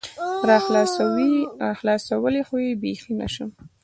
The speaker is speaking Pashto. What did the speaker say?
راخلاصولى خو يې بيخي نشم